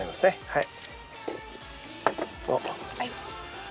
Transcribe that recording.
はい。